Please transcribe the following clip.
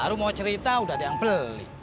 baru mau cerita udah ada yang beli